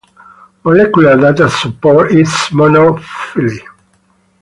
Molecular data supports its monophyly.